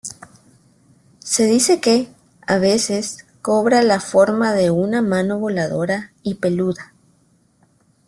Se dice que, a veces, cobra la forma de una mano voladora y peluda.